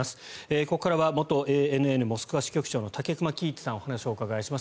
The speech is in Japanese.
ここからは元ＡＮＮモスクワ支局長の武隈喜一さんにお話をお伺いします。